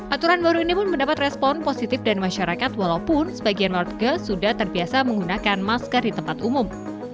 aturan baru ini pun mendapat respon positif dari masyarakat walaupun sebagian warga sudah terbiasa menggunakan masker di tempat umum